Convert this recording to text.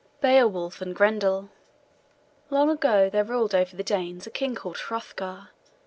BEOWULF AND GRENDEL Long ago there ruled over the Danes a king called Hrothgar.